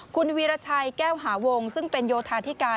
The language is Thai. คุณวีรชัยแก้วหาวงซึ่งเป็นโยธาธิการ